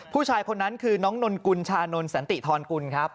ผู้ชายคนนั้นคือน้องนนกุลชานนท์สันติธรกุลครับ